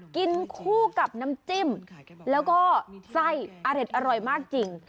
กินคู่กับน้ำจิ้มแล้วก็ไส้อเด็ดอร่อยมากจริง